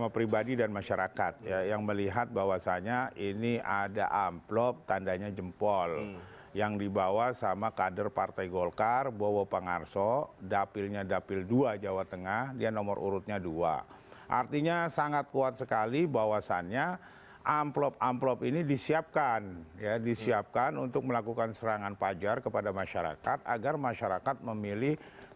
prime news akan segera kembali sesat lagi